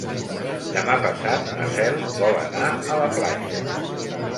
Demà passat na Cel vol anar a la platja.